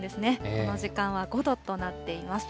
この時間は５度となっています。